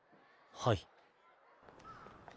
はい。